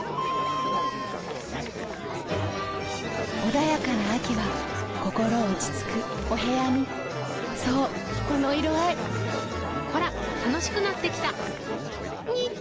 穏やかな秋は心落ち着くお部屋にそうこの色合いほら楽しくなってきた！